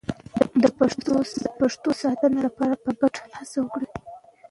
د پښتو د ساتنې لپاره په ګډه هڅه وکړئ.